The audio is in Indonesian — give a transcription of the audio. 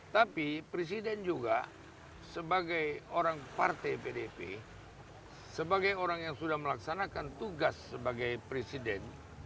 tapi presiden juga sebagai orang partai pdp sebagai orang yang sudah melaksanakan tugas sebagai presiden